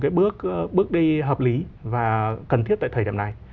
cái bước đi hợp lý và cần thiết tại thời điểm này